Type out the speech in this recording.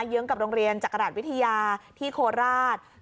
เยื้องกับโรงเรียนจักราชวิทยาที่โคราช